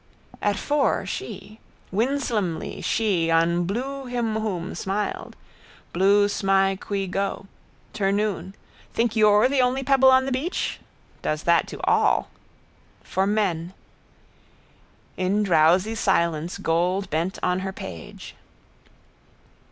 At four she. Winsomely she on Bloohimwhom smiled. Bloo smi qui go. Ternoon. Think you're the only pebble on the beach? Does that to all. For men. In drowsy silence gold bent on her page.